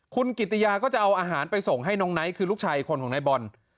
คุณกิติยาก็จะเอาอาหารไปส่งให้น้องไนท์คือลูกชายคนของนายบอล